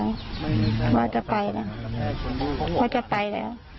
หมอจะไปแล้วว่าจะไปแล้ว